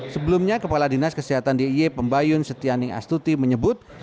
sebelumnya kepala dinas kesehatan d i y pembayun setianing astuti menyebut